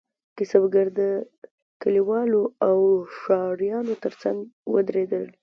کسبګر د کلیوالو او ښاریانو ترڅنګ ودریدل.